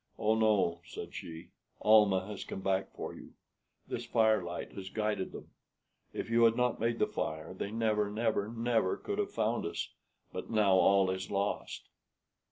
"Oh no," said she; "Almah has come back for you. This fire light has guided them. If you had not made the fire they never, never, never could have found us; but now all is lost."